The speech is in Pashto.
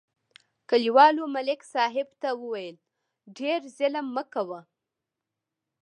کلیوالو ملک صاحب ته وویل: ډېر ظلم مه کوه.